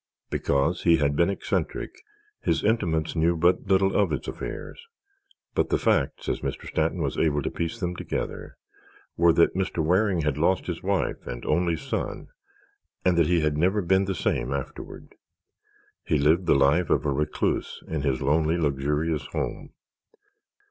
Because he had been eccentric, his intimates knew but little of his affairs, but the facts, as Mr. Stanton was able to piece them together, were that Mr. Waring had lost his wife and only son and that he had never been the same afterward. He lived the life of a recluse in his lonely, luxurious home.